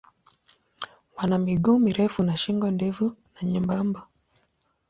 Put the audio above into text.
Wana miguu mirefu na shingo ndefu na nyembamba.